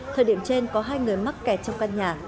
thời điểm trên có hai người mắc kẹt trong căn nhà